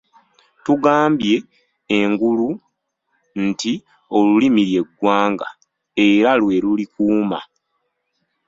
Tugambye engulu nti: Olulimi lye ggwanga era lwe lulikuuma.